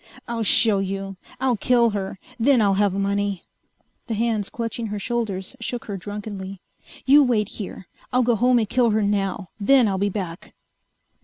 "I'll show you! I'll kill her! Then I'll have money!" The hands clutching her shoulders shook her drunkenly. "You wait here! I'll go home and kill her now! Then I'll be back!"